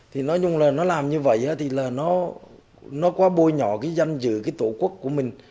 thì nói chung là nó làm như vậy thì là nó quá bôi nhỏ cái danh dự cái thổ quốc của mình